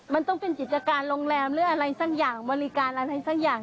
มันต้องเป็นกิจการโรงแรมหรืออะไรสักอย่างบริการอะไรสักอย่าง